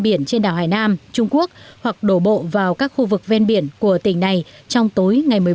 biển trên đảo hải nam trung quốc hoặc đổ bộ vào các khu vực ven biển của tỉnh này trong tối ngày